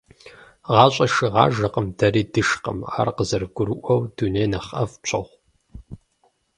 Гъащӏэр шыгъажэкъым, дэри дышкъым. Ар къызэрыбгурыӏуэу, дунейр нэхъ ӏэфӏ пщохъу.